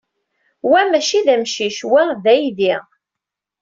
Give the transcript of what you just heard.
Wa maci d amcic. Wa d aydi.